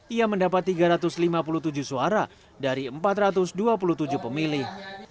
ia mendapat tiga ratus lima puluh tujuh suara dari empat ratus dua puluh tujuh pemilih